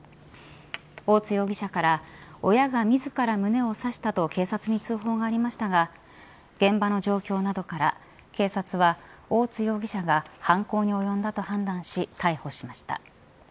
大津容疑者から親が自ら胸を刺したと警察に通報がありましたが現場の状況などから警察は大津容疑者が犯行に及んだと判断し逮捕しました。